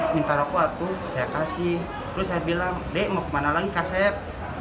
minta rakwa itu saya kasih terus saya bilang dek mau kemana lagi kak sepp